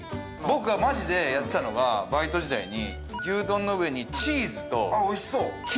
僕はマジでやってたのがバイト時代に牛丼の上にチーズとキムチのっけるんですよ。